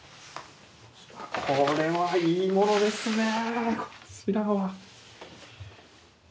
これはいいものですねこちらは。